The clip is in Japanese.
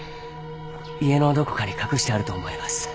家のどこかに隠してあると思います。